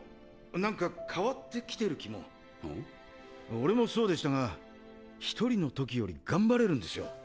俺もそうでしたが１人の時より頑張れるんですよ。